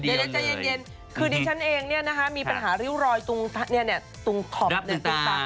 เดี๋ยวใจเย็นคือดิฉันเองเนี่ยนะคะมีปัญหาริ้วรอยตรงขอบเนี่ยตรงตา